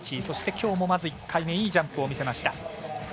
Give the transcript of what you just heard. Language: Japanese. そして、きょうもまず１回目いいジャンプを見せました。